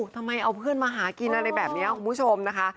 ทำไมเอาเพื่อนมาหากินอะไรแบบนี้คุณผู้ชมนะคะ